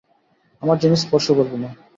আমার জিনিস স্পর্শ করবি না।